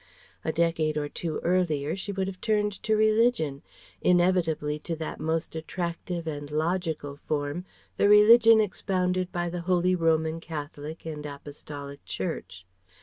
A decade or two earlier she would have turned to religion, inevitably to that most attractive and logical form, the religion expounded by the Holy Roman Catholic and Apostolic Church.